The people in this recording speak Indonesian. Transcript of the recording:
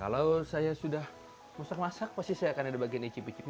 kalau saya sudah masak masak pasti saya akan ada bagian icip icip